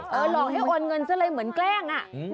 หลอกให้โอนเงินซะเลยเหมือนแกล้งอ่ะ